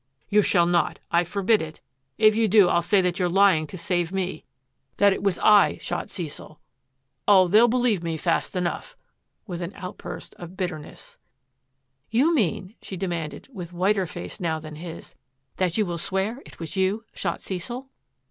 " You shaU not ! I forbid it. If you do, I'U say that you're lying to save me — that it was I RETURN OF ROBERT SYLVESTER 117 shot Cecil. Oh, they'll believe me fast enough,'' with an outburst of bitterness. " You mean," she demanded, with whiter face now than his, " that you will swear it was you shot Cecil?